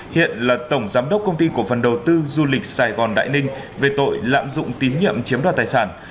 hiện là tổng giám đốc công ty cổ phần đầu tư du lịch sài gòn đại ninh về tội lạm dụng tín nhiệm chiếm đoạt tài sản